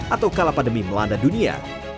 atau kala pandemi melanda dunia